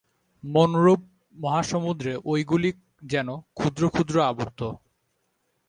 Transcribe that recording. মনরূপ মহাসমুদ্রে ঐগুলি যেন ক্ষুদ্র ক্ষুদ্র আবর্ত।